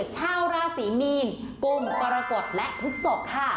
ชาวราศีมีนกุมกรกฎและพฤกษกค่ะ